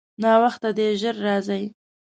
ناوخته دی، ژر راځئ.